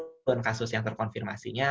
walaupun kasus yang terkonfirmasinya